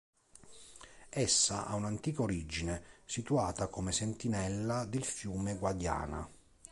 Essa ha un'antica origine, situata come sentinella del fiume Guadiana.